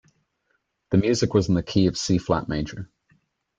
The music was in the key of C flat major.